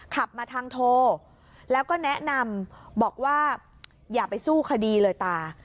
ขับมาทางโทรแล้วก็แนะนำบอกว่าอย่าไปสู้คดีเลยตา